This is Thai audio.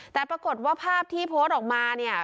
แต่ปรากฏว่าภาพที่โพสต์ออกมาเนี่ย